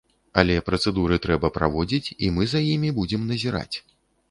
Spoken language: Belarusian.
Але працэдуры трэба праводзіць, і мы за імі будзем назіраць.